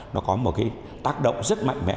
nó có một cái tác động rất mạnh mẽ